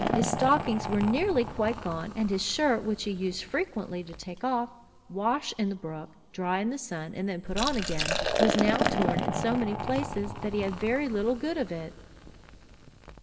His stockings were nearly quite gone; and his shirt, which he used frequently to take off, wash in the brook, dry in the sun, and then put on again, was now torn in so many places, that he had very little good of it.